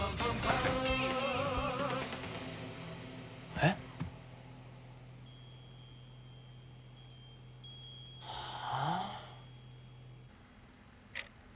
えっ？はあ？